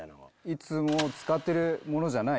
いつも使ってるものじゃない。